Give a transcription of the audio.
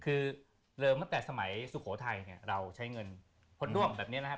คือเริ่มตั้งแต่สมัยสุโขทัยเนี่ยเราใช้เงินพด้วงแบบนี้นะครับ